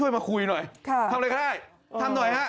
อยากกินขาวกินข้าว